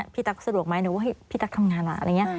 พี่ตั๊กสะดวกไหมหนูว่าพี่ตั๊กทำงานล่ะ